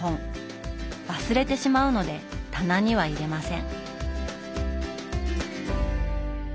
忘れてしまうので棚には入れません。